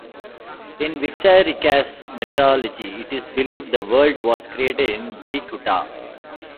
In Wixarricas's mythology it is believed the world was created in Wirikuta.